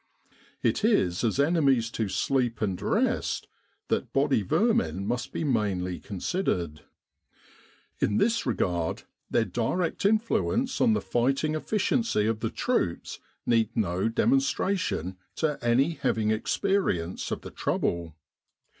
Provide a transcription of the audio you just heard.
It is as enemies to sleep and rest that body vermin must be mainly con sidered. In this regard, their direct influence on the fighting efficiency of the troops needs no demonstra tion to any having experience of the trouble.